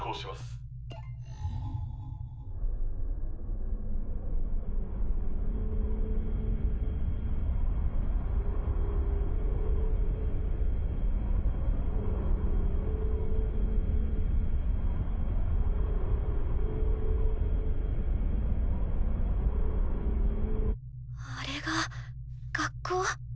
ピッあれが学校。